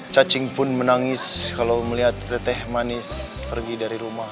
cacing pun menangis kalau melihat teteh manis pergi dari rumah